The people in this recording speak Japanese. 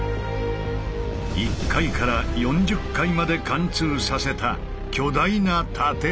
１階から４０階まで貫通させた巨大な縦穴。